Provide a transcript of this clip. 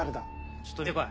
ちょっと見てこい。